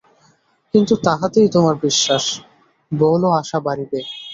কিন্তু তাহাতেই তোমার বিশ্বাস, বল ও আশা বাড়িবে।